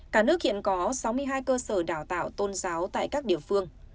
cả nước hiện có sáu mươi hai cơ sở đào tạo tôn giáo tại các địa phương